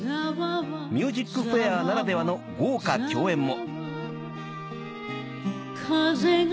『ＭＵＳＩＣＦＡＩＲ』ならではの豪華共演も。